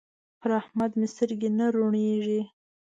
پر احمد مې سترګې نه روڼېږي.